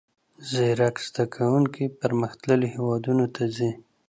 زیرک زده کوونکي پرمختللیو هیوادونو ته ځي.